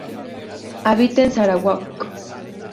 Habita en Sarawak.